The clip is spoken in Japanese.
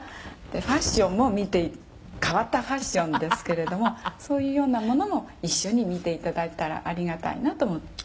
「ファッションも見て変わったファッションですけれどもそういうようなものも一緒に見ていただいたらありがたいなと思って」